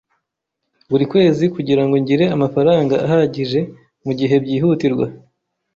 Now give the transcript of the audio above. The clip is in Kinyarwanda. buri kwezi kugirango ngire amafaranga ahagije mugihe byihutirwa.